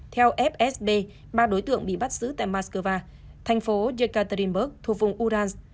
theo fsb ba đối tượng bị bắt giữ tại moscow thành phố yekaterinburg thuộc vùng ural